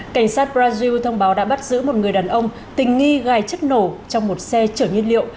cảnh sát brazil thông báo đã bắt giữ một người đàn ông tình nghi gài chất nổ trong một xe chở nhiên liệu